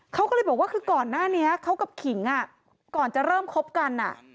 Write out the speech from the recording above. เขาก็เลยบอกว่าคือก่อนหน้านี้เขากับขิงก่อนจะเริ่มคบกัน